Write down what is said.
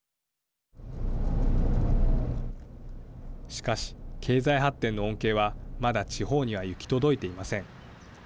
しかし、経済発展の恩恵はまだ、地方には行き届いていません。